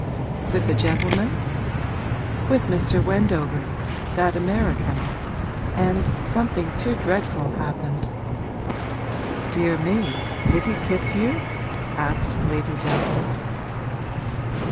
'With a gentleman?' 'With Mr. Wendover that American, and something too dreadful happened.' 'Dear me, did he kiss you?' asked Lady Davenant.